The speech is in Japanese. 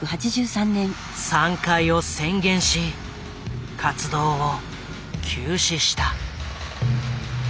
散開を宣言し活動を休止した。